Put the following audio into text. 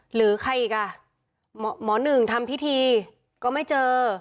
หรือใครอีกอ่ะหมอหนึ่งทำพิธีก็ไม่เจอ